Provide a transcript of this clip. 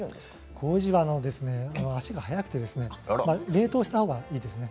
こうじは、あしが早くて冷凍したほうがいいですね。